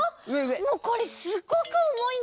もうこれすっごくおもいんだよ。